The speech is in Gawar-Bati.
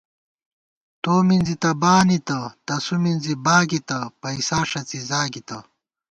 تو مِنزی تہ بانِتہ، تسُو مِنزی باگِتہ، پَئیسا ݭڅی زاگِتہ